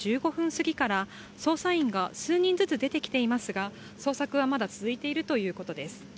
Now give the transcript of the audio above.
すぎから捜査員が数人ずつ出てきていますが捜索はまだ続いているということです。